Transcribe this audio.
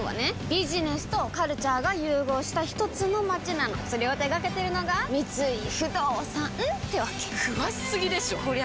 ビジネスとカルチャーが融合したひとつの街なのそれを手掛けてるのが三井不動産ってわけ詳しすぎでしょこりゃ